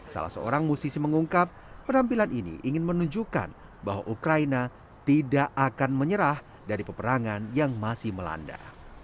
salah seorang musisi mengungkap penampilan ini ingin menunjukkan bahwa ukraina tidak akan menyerah dari peperangan yang masih melanda